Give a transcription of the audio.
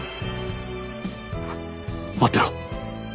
待ってろ。